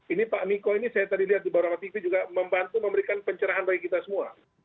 ini pak niko ini saya tadi lihat di beberapa tv juga membantu memberikan pencerahan bagi kita semua